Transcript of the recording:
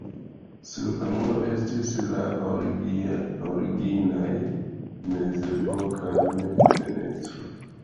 Sur la muro restis la originaj mezepokaj fenestroj.